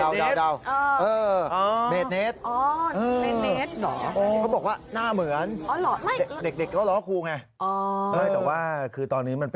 วิ่งไล่จับอะไรบ้าง